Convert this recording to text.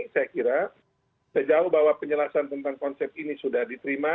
saya kira sejauh bahwa penjelasan tentang konsep ini sudah diterima